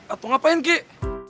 atau ngapain kek